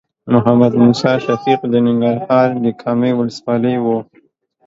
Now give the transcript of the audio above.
محمد موسی شفیق د ننګرهار د کامې ولسوالۍ و.